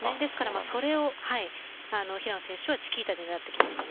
それを平野選手がチキータで狙ってきました。